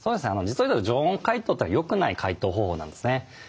実を言うと常温解凍というのはよくない解凍方法なんですね。